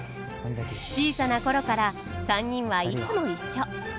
小さな頃から３人はいつも一緒。